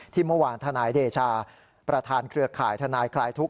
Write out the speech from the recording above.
เมื่อวานทนายเดชาประธานเครือข่ายทนายคลายทุกข